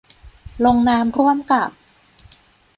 ลงนามร่วมกับ